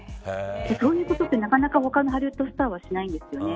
そういうことって、なかなか他のハリウッドスターはしないんですけどね。